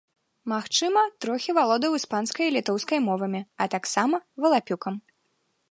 Магчыма, трохі валодаў іспанскай і літоўскай мовамі, а таксама валапюкам.